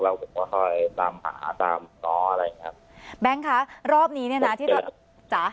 แล้วมันค่อยตามหมาตามน้ออะไรอย่างงี้ครับแบงค์ค่ะรอบนี้เนี้ยน่ะที่จะจ๋า